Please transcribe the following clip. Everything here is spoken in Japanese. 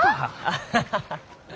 アハハハ。